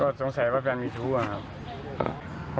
ก็สงสัยว่าแปลงมีชู้ครับ